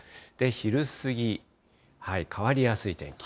昼過ぎ、変わりやすい天気。